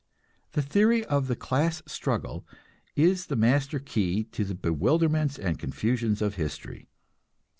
The theory of the class struggle is the master key to the bewilderments and confusions of history.